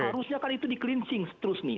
harusnya kan itu di cleansing terus nih